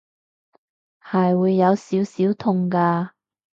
係會有少少痛㗎